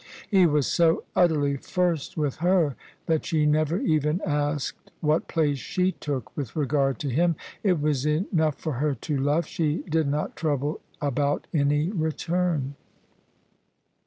He was so utterly first with her that she never even asked what place she took with regard to him. It was enough for her to love : she did not trouble about any return.